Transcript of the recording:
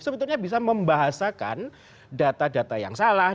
sebetulnya bisa membahasakan data data yang salah